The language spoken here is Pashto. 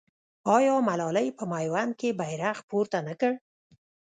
آیا ملالۍ په میوند کې بیرغ پورته نه کړ؟